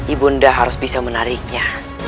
ibu nda harus bisa menariknya